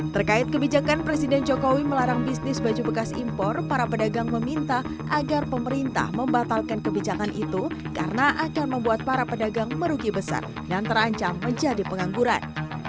terkait kebijakan presiden jokowi melarang bisnis baju bekas impor para pedagang meminta agar pemerintah membatalkan kebijakan itu karena akan membuat para pedagang merugi besar dan terancam menjadi pengangguran